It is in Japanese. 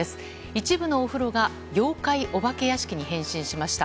一部のお風呂が妖怪お化け屋敷に変身しました。